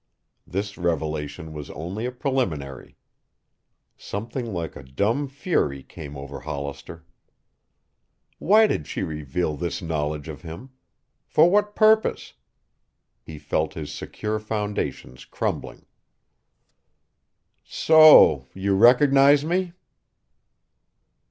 This revelation was only a preliminary. Something like a dumb fury came over Hollister. Why did she reveal this knowledge of him? For what purpose? He felt his secure foundations crumbling. "So you recognize me?"